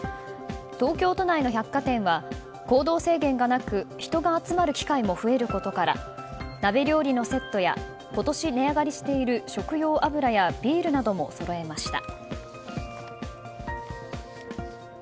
東京都内の百貨店は行動制限がなく人が集まる機会も増えることから鍋料理のセットや今年値上がりしている食用油やビールなどもそろえました。